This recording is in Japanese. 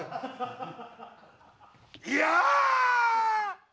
や！